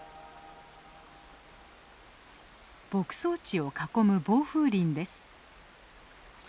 牧草地を囲む防風林です。